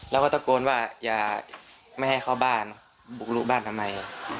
แล้วก็ตะโกนว่าอย่าไม่ให้เข้าบ้านบุกลุกบ้านทำไม